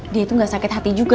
dia itu gak sakit hati juga